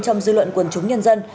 trong dư luận quần chúng nhân dân